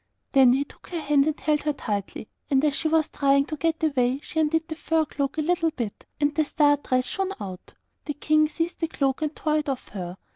Then he took her hand and held her tightly, and as she was trying to get away, she undid the fur cloak a little bit and the star dress shone out. The King seized the cloak and tore it off her.